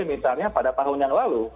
misalnya pada tahun yang lalu